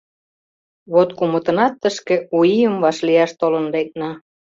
Вот кумытынат тышке У ийым вашлияш толын лекна.